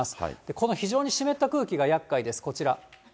この非常に湿った空気がやっかいです、こちら。